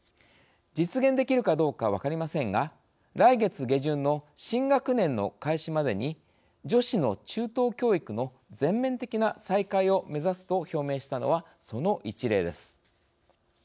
実現できるかどうか分かりませんが来月下旬の新学年の開始までに女子の中等教育の全面的な再開を目指すと表明したのは、その一例です。